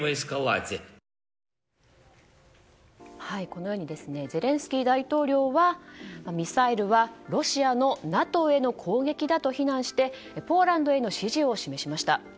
このようにゼレンスキー大統領はミサイルは、ロシアのＮＡＴＯへの攻撃だと非難してポーランドへの支持を示しました。